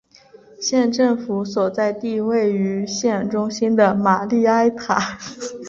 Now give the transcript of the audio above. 县政府所在地位于县中心的玛丽埃塔。